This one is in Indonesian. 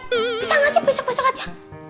bisa gak sih besok besok aja